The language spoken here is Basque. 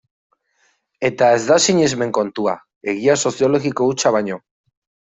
Eta ez da sinesmen kontua, egia soziologiko hutsa baino.